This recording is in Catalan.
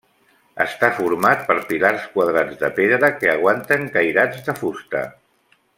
Està format per pilars quadrats de pedra que aguanten cairats de fusta.